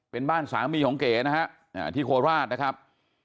เป็นบ้านสามีของเก๋นะฮะที่โคราชนะครับ